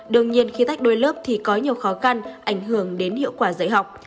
đương nhiên khi tách đôi lớp thì có nhiều khó khăn ảnh hưởng đến hiệu quả dạy học